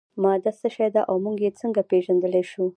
ماده څه شی ده او موږ یې څنګه پیژندلی شو